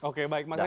oke baik mas hedy